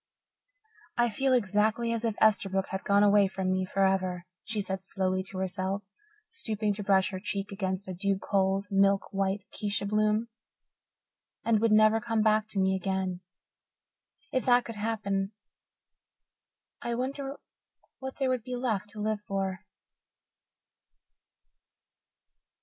"I feel exactly as if Esterbrook had gone away from me forever," she said slowly to herself, stooping to brush her cheek against a dew cold, milk white acacia bloom, "and would never come back to me again. If that could happen, I wonder what there would be left to live for?"